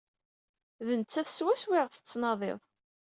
D netta swaswa ayɣef tettnadid.